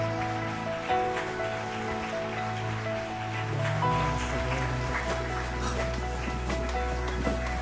うわあすごい。